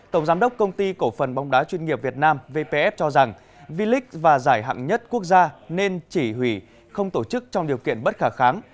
tổng giám đốc công ty cổ phần bóng đá chuyên nghiệp việt nam vpf cho rằng v league và giải hạng nhất quốc gia nên chỉ hủy không tổ chức trong điều kiện bất khả kháng